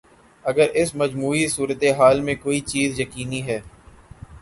اگر اس مجموعی صورت حال میں کوئی چیز یقینی ہے۔